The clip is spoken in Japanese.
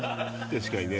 確かにね。